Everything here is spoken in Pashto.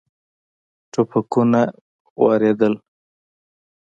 ټوپکونه واردېدل.